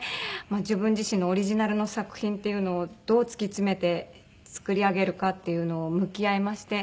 自分自身のオリジナルの作品っていうのをどう突き詰めて作り上げるかっていうのを向き合いまして。